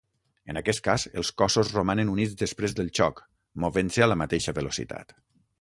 En aquest cas, els cossos romanen units després del xoc, movent-se a la mateixa velocitat.